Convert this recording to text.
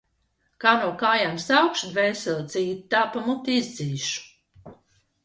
Kā no kājām sākšu dvēseli dzīt, tā pa muti izdzīšu.